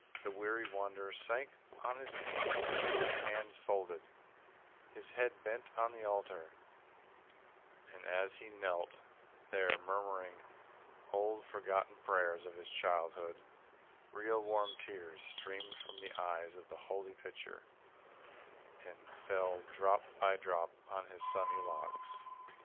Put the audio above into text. The weary wanderer sank on his knees, his hands folded, his head bent on the altar, and as he knelt there murmuring old forgotten prayers of his childhood, real warm tears streamed from the eyes of the holy picture and fell drop by drop on his sunny locks.